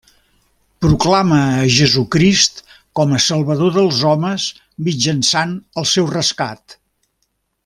Proclama a Jesucrist com a salvador dels homes mitjançant el seu rescat.